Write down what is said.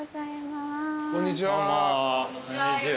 こんにちは。